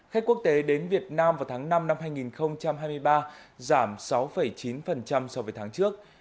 khách quốc tế đến việt nam vào tháng năm năm hai nghìn hai mươi ba giảm sáu chín so với tháng trước